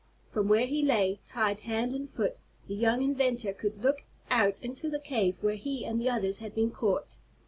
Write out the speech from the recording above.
From where he lay, tied hand and foot, the young inventor could look out into the cave where he and the others had been caught.